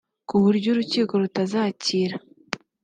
ku buryo urukiko rutazakira